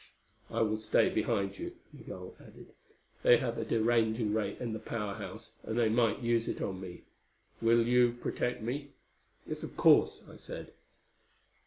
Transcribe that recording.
"I will stay behind you," Migul added. "They have a deranging ray in the Power House, and they might use it on me. Will you protect me?" "Yes, of course," I said.